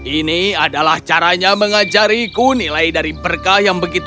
ini adalah caranya mengajariku nilai dari berkah yang begitu